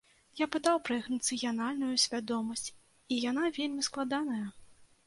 Я пытаў пра іх нацыянальную свядомасць, і яна вельмі складаная.